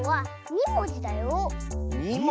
２もじ？